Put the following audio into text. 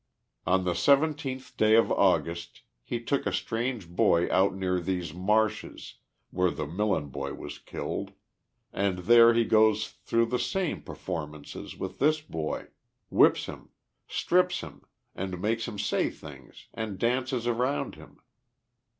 On the 17th day of August he took a strange boy out near these marshes, where the Millen boy was killed, and there he goes through the same performances with this boy ; whips him, strips him and makes him say things and dances around him.